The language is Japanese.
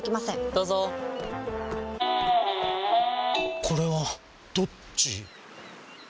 どうぞこれはどっち？